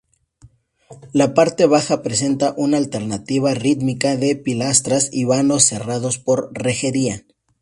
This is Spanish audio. La parte baja presenta una alternativa rítmica de pilastras y vanos cerrados por rejería.